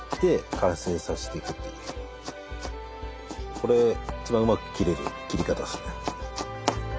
これ一番うまく切れる切り方ですね。